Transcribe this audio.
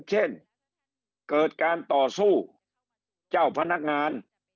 เช่นเกิดการต่อสู้เจ้าพนักงาน